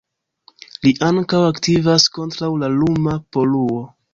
Li ankaŭ aktivas kontraŭ la luma poluo.